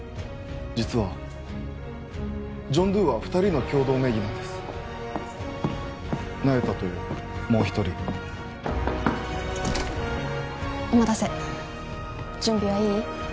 実はジョン・ドゥは２人の共同名義なんです那由他ともう一人お待たせ準備はいい？